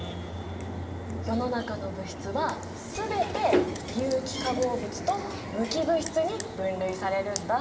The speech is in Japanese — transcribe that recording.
世の中の物質は全て有機化合物と無機物質に分類されるんだ。